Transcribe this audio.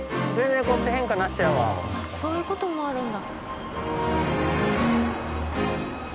そういう事もあるんだ。